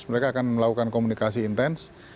mereka akan melakukan komunikasi intens